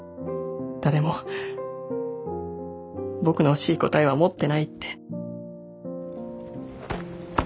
誰も僕の欲しい答えは持ってないって。